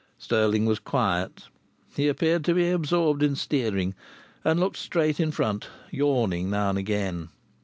Stirling was quiet. He appeared to be absorbed in steering, and looked straight in front, yawning now and again.